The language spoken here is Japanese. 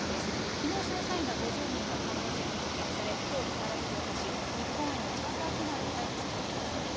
きのう、捜査員ら５０人がカンボジアに派遣され、きょう身柄引き渡し、日本へのチャーター機内で逮捕される方針です。